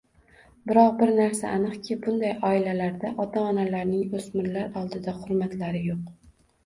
biroq bir narsa aniqki, bunday oilalarda ota-onalarning o‘smirlar oldida hurmatlari yo‘q.